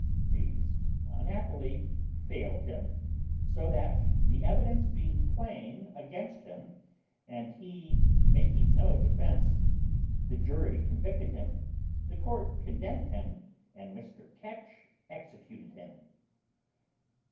These unhappily failed him: so that, the evidence being plain against him, and he making no defence, the jury convicted him, the court condemned him, and Mr. Ketch executed him.